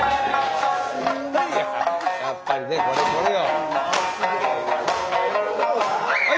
やっぱりねこれこれよ。